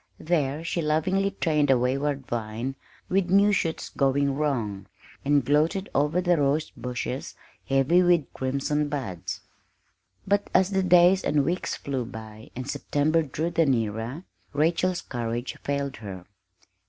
There she lovingly trained a wayward vine with new shoots going wrong, and gloated over the rosebushes heavy with crimson buds. But as the days and weeks flew by and September drew the nearer, Rachel's courage failed her.